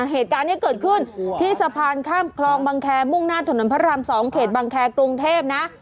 เหตุการณ์นี้เกิดขึ้นที่สะพานข้ามคลองบังแคร์มุ่งหน้าถนนพระราม๒เขตบังแครกรุงเทพนะ